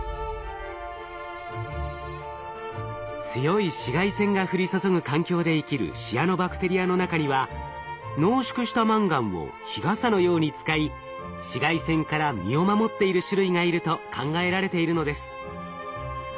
強い紫外線が降り注ぐ環境で生きるシアノバクテリアの中には濃縮したマンガンを日傘のように使い紫外線から身を守っている種類がいると考えられているのです。